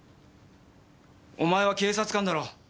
お前は警察官だろ。